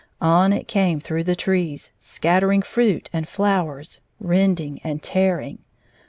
On it came through the trees, scattering fruit and flow ers, rending and tearing.